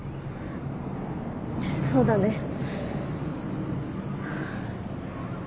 そうだね。